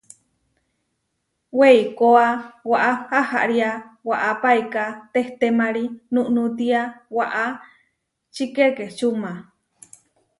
Weikóa waʼá ahariá waʼá paiká tehtemarí núnútia waʼá čikekečuma.